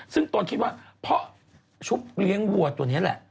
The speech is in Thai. ซึ่งตนคิดว่าเพราะชุบเลี้ยงวัวตัวนี้แหละ